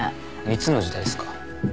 いつの時代ですか。